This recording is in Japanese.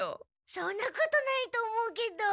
そんなことないと思うけど。